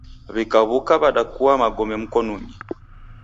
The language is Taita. W'ikaw'uka w'adakua magome mkonunyi.